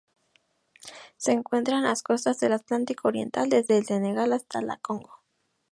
Se encuentra en las costas del Atlántico oriental: desde el Senegal hasta la Congo.